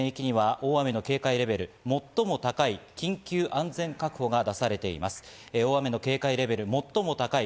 大雨の警戒レベル最も高い緊急安全確保が出されています。